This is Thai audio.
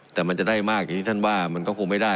แต่มันจะได้มากอย่างที่ท่านว่ามันก็คงไม่ได้